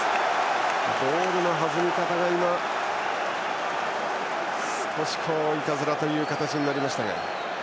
ボールの弾み方が少しいたずらという形になった。